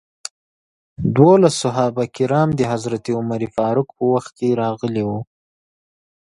دولس صحابه کرام د حضرت عمر فاروق په وخت کې راغلي وو.